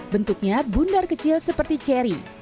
bentuknya bundar kecil seperti cherry